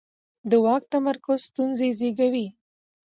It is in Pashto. د واک تمرکز ستونزې زېږوي